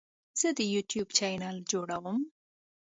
زه د یوټیوب چینل جوړوم.